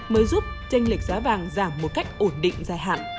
mới giúp tranh lệch giá vàng giảm một cách ổn định dài hạn